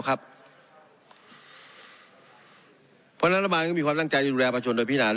ครับเพราะรัฐบาลยังมีความตั้งใจที่ดูแลประชุมโดยพินาศ